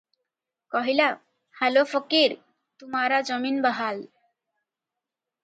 କହିଲା - ହାଲୋ ଫକୀର, ତୁମାରା ଜମିନ୍ ବାହାଲ ।"